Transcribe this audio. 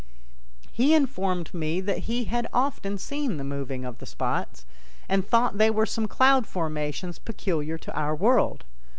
He informed me that he had often seen the moving of the spots, and thought they were some cloud formations peculiar to our world.